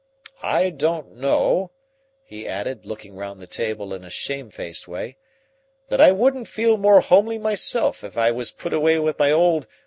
I don't know," he added, looking round the table in a shamefaced way, "that I wouldn't feel more homely myself if I was put away with my old